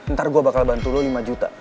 ntar gue bakal bantu lo lima juta